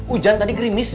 ujan tadi gerimis